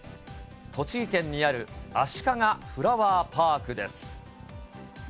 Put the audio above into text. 栃木県にあるあしかがフラワーパークです。